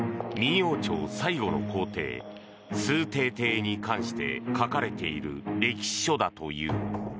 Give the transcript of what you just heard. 王朝最後の皇帝崇禎帝に関して書かれている歴史書だという。